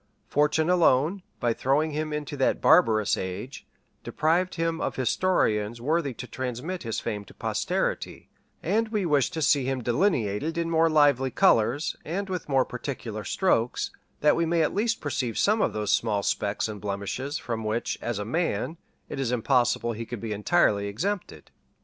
Fortune alone, by throwing him into that barbarous age, deprived him of historians worthy to transmit his fame to posterity; and we wish to see him delineated in more lively colors, and with more particular strokes, that we may at least perceive some of those small specks and blemishes, from which, as a man, it is impossible he could be entirely exempted.